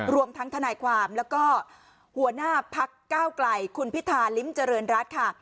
รวมทั้งธนายความและหัวหน้าภักร์ก้าวกล่ายคุณพิธาลิ้มเจริญรัฐ